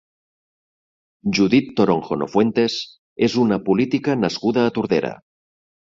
Judith Toronjo Nofuentes és una política nascuda a Tordera.